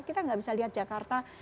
kita nggak bisa lihat jakarta